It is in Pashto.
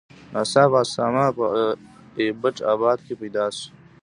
ناڅاپه اسامه په ایبټ آباد کې پیدا شو.